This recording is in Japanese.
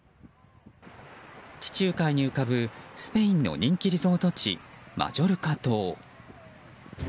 地中海に浮かぶ、スペインの人気リゾート地マジョルカ島。